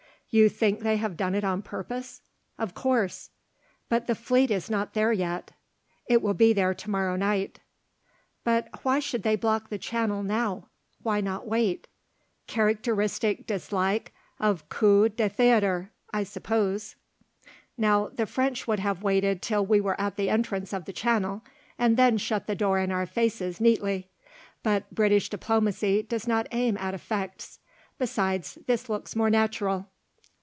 "You think they have done it on purpose?" "Of course." "But the fleet is not there yet." "It will be there to morrow night." "But why should they block the channel now, why not wait?" "Characteristic dislike of coups de théâtre, I suppose. Now the French would have waited till we were at the entrance of the channel, and then shut the door in our faces neatly. But British Diplomacy does not aim at effects; besides, this looks more natural."